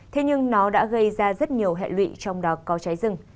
thế nhưng nó đã gây ra rất nhiều hẹn lụy trong đòi có cháy rừng